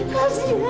kasian cucu saya